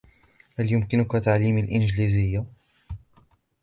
هل يمكنكِ تعليمي الإنجليزية.